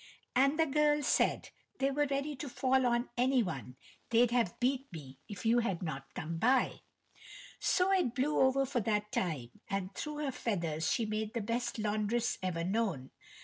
And the girl said: "They were ready to fall on any one; they'd have beat me if you had not come by." So it blew over for that time, and through her feathers she made the best laundress ever known.